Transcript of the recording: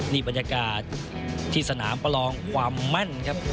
นี่บรรยากาศที่สนามประลองความมั่นครับ